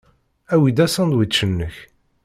Awi-d asandwič-nnek.